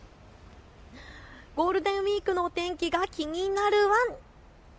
ゴールデンウイークのお天気が気になるワン！